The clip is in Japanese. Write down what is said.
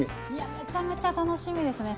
めちゃめちゃ楽しみですね。